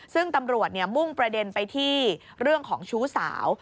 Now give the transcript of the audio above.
ซึ่งตำรวจมุ่งประเด็นไปที่เรื่องของชู้สาว